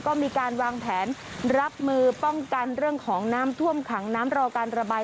ก็มีการวางแผนรับมือป้องกันเรื่องของน้ำท่วมขังน้ำรอการระบาย